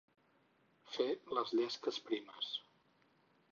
Fer les llesques primes.